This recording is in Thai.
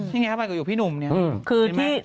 นี่ไงคะค่ะเพราะอยู่พี่หนุ่ม